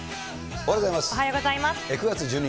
おはようございます。